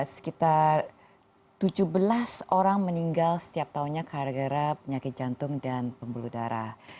sekitar tujuh belas orang meninggal setiap tahunnya gara gara penyakit jantung dan pembuluh darah